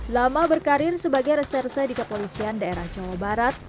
lama berkarir sebagai reserse di kepolisian daerah jawa barat